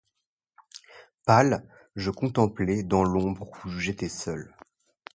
Pâle, je contemplais, dans l'ombre où j'étais seul